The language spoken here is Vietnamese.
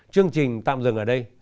chương trình tạm dừng ở đây